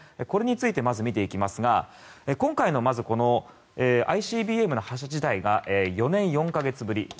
これについてまず見ていきますが今回のＩＣＢＭの発射自体が４年４か月ぶり。